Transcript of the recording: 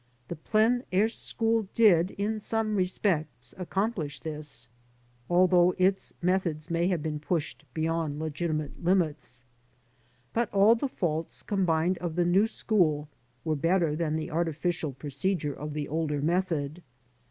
The ''plein air'' school did, in some respects, accomplish this, although its methods may have been pushed beyond legitimate limits ; but all the faults combined of the new school were better than the artificial procedure of the older method.